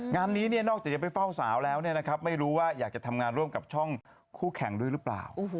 งานนี้นอกจากจะไปเฝ้าสาวแล้วไม่รู้ว่าอยากจะทำงานร่วมกับช่องคู่แข่งด้วยหรือเปล่า